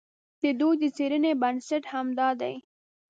د دوی د څېړنې بنسټ همدا دی.